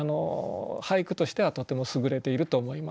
俳句としてはとてもすぐれていると思います。